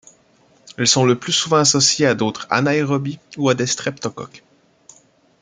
Ils sont le plus souvent associés à d'autres anaérobies ou à des streptocoques.